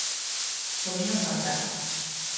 Comín a fartar